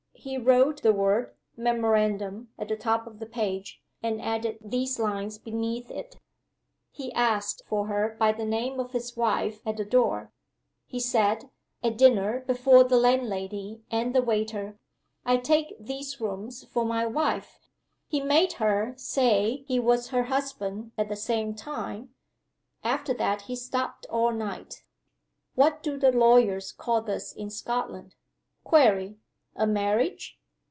He wrote the word "Memorandum" at the top of the page, and added these lines beneath it: "He asked for her by the name of his wife at the door. He said, at dinner, before the landlady and the waiter, 'I take these rooms for my wife.' He made her say he was her husband at the same time. After that he stopped all night. What do the lawyers call this in Scotland? (Query: a marriage?)"